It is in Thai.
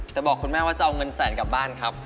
แต่บอกคุณแม่ว่าจะเอาเงินแสนกลับบ้านครับ